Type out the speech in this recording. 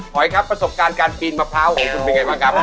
ครับประสบการณ์การปีนมะพร้าวของคุณเป็นไงบ้างครับ